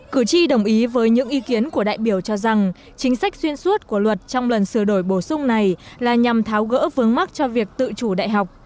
cử tri đồng ý với những ý kiến của đại biểu cho rằng chính sách xuyên suốt của luật trong lần sửa đổi bổ sung này là nhằm tháo gỡ vướng mắt cho việc tự chủ đại học